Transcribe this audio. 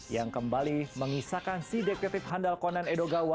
yang kembali mengisahkan si dekretif handal conan edogawa